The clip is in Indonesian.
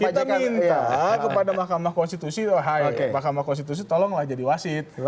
supaya kita minta kepada mahkamah konstitusi oh hai mahkamah konstitusi tolonglah jadi wasit